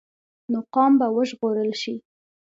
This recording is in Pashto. نو قام به وژغورل شي.